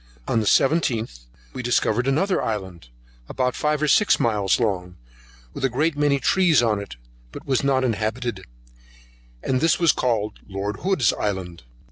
On the 17th we discovered another Island, about five or six miles long, with a great many trees on it, but was not inhabited: this was called Lord Hood's Island.